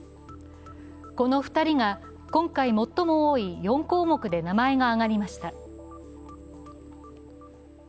この２人が今回、最も多い４項目で名前が挙がりました。